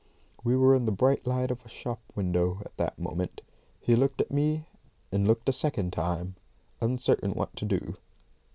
We were in the bright light of a shop window at that moment. He looked at me, and looked a second time, uncertain what to do.